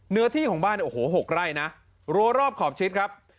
เนื้อที่ของบ้านเนี่ยโอ้โห๖ไร่นะรั้วรอบขอบชิดครับ